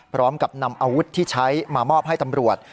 พร้อมกับนำอาวุธที่ใช้มามอบให้ตำรวจ